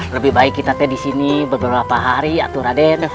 lebih baik kita disini beberapa hari ya raden